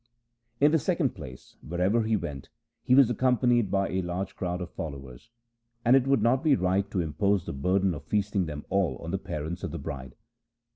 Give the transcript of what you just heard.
In the second place, wherever he went he was accompanied by a large crowd of followers ; and it would not be right to impose the burden of feasting them all on the parents of the bride.